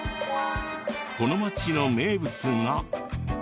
この町の名物が。